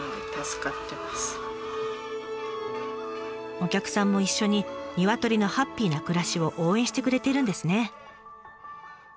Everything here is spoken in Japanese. お客さんも一緒にニワトリのハッピーな暮らしを応援してくれているんですね。